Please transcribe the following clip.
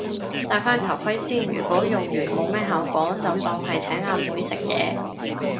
戴返頭盔先，如果用完冇咩效果就當係請阿妹食嘢